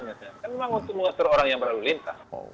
memang untuk semua orang yang berlalu lintas